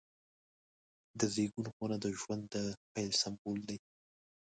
د زیږون خونه د ژوند د پیل سمبول دی.